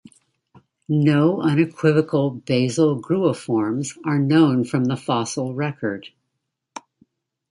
No unequivocal basal gruiforms are known from the fossil record.